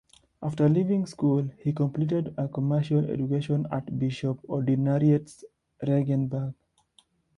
After leaving school he completed a commercial education at Bishop's Ordinariate Regensburg.